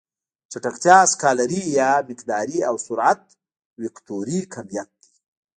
چټکتیا سکالري يا مقداري او سرعت وکتوري کميت دی.